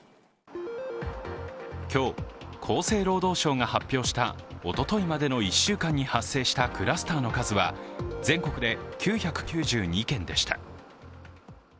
今日、厚生労働省が発表した、おとといまでの１週間に発生したクラスターの数は全国で９９２件でした。